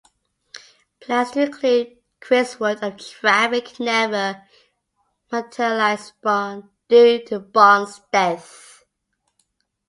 Plans to include Chris Wood of Traffic never materialized due to Bond's death.